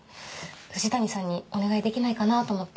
藤谷さんにお願いできないかなと思って。